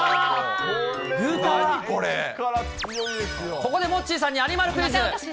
ここでモッチーさんにアニマルクイズ。